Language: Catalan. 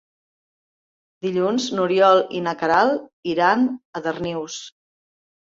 Dilluns n'Oriol i na Queralt iran a Darnius.